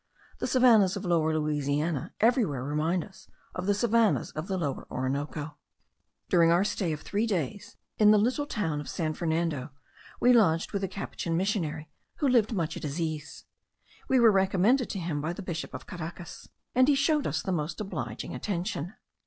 The savannahs of Lower Louisiana everywhere remind us of the savannahs of the Lower Orinoco. During our stay of three days in the little town of San Fernando, we lodged with the Capuchin missionary, who lived much at his ease. We were recommended to him by the bishop of Caracas, and he showed us the most obliging attention.